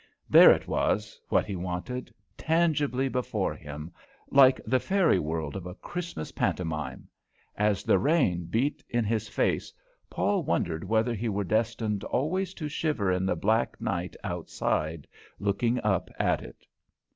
There it was, what he wanted tangibly before him, like the fairy world of a Christmas pantomime; as the rain beat in his face, Paul wondered whether he were destined always to shiver in the black night outside, looking up at it.